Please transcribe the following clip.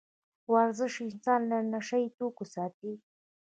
ورزش انسان له نشه يي توکو ساتي.